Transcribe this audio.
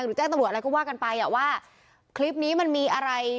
ดูจากคลิปที่ออกมา